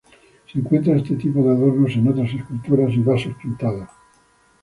Se encuentra este tipo de adornos en otras esculturas y vasos pintados.